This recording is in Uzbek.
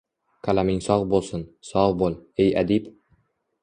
Qalaming sog’ bo’lsin, sog’ bo’l, ey adib!